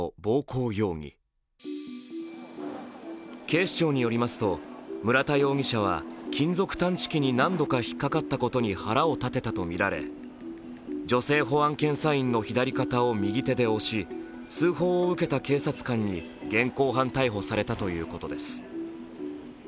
警視庁によりますと、村田容疑者は金属探知機に何度か引っかかったことに腹を立てたとみられ女性保安検査員の左肩を右手で押し、通報を受けた警察官に現行犯逮捕されたということです。